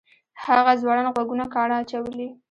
هغه ځوړند غوږونه کاڼه اچولي